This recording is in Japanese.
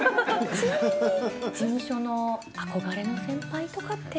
事務所の憧れの先輩とかって。